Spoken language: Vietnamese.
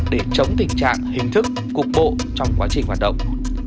để chống tình trạng hình thức cục bộ trong quá trình hoạt động